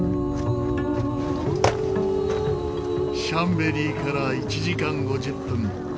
シャンベリーから１時間５０分